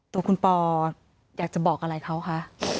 ตัวคุณปออยากจะบอกอะไรเขาคะ